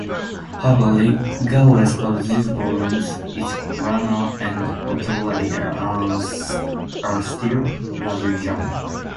However, regardless of these borrowings, its grammar and vocabulary are still largely German.